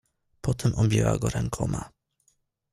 "Potem objęła go rękoma."